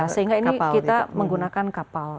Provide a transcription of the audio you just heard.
sehingga ini kita menggunakan kapal